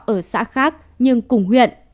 ở xã khác nhưng cùng huyện